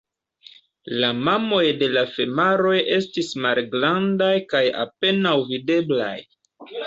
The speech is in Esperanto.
La mamoj de la femaloj estis malgrandaj kaj apenaŭ videblaj.